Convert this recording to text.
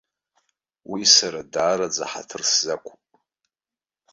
Уи сара даараӡа ҳаҭыр сзақәуп.